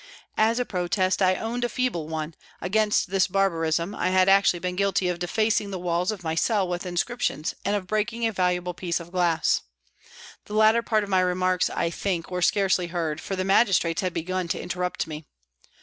As a protest, I owned a feeble one, against this barbarism I had actually been guilty of defacing the walls of my cell with inscriptions and of breaking a valuable piece of glass. The latter part of my remarks, I think, were scarcely heard, for the Magistrates had begun to interrupt me.